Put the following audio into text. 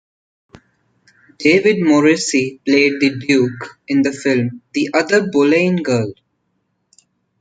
David Morrissey played the Duke in the film "The Other Boleyn Girl".